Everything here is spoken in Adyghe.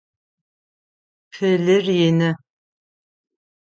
Пылыр ины.